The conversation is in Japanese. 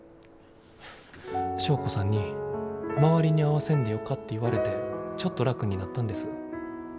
祥子さんに周りに合わせんでよかって言われてちょっと楽になったんです。